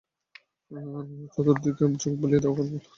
চতুর্দিকে চোখ বুলিয়ে দেখতে লাগলেন, কাউকে দেখা যায় কিনা।